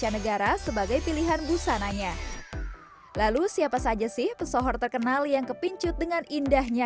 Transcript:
negara sebagai pilihan busananya lalu siapa saja sih pesohor terkenal yang kepincut dengan indahnya